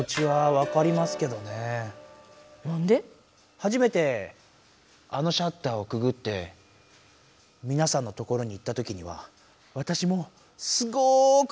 はじめてあのシャッターをくぐってみなさんのところに行ったときにはわたしもすごくドキドキしました。